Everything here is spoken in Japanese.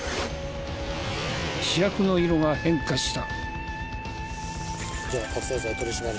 試薬の色が変化した。